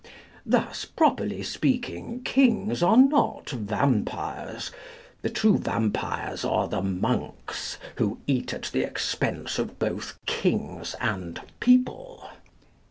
Thus, properly speaking, kings are not vampires; the true vampires are the monks, who eat at the expense of both kings and people.